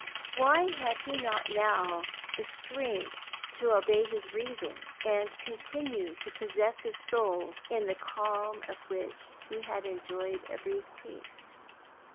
Why had he not now the strength to obey his reason, and continue to possess his soul in the calm of which he had enjoyed a brief taste?